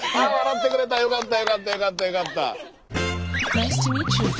よかったよかったよかったよかった。